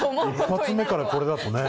一発目からこれだとね。